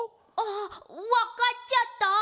あっわかっちゃった？